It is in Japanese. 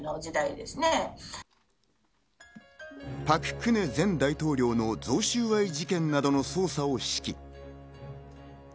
パク・クネ前大統領の贈収賄事件などの捜査を指揮。